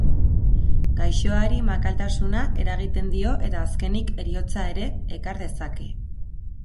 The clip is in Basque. Gaixoari makaltasuna eragiten dio eta azkenik heriotza ere ekar dezake.